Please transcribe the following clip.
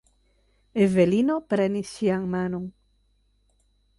Evelino prenis ŝian manon.